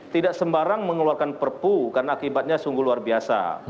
tidak sembarang mengeluarkan perpu karena akibatnya sungguh luar biasa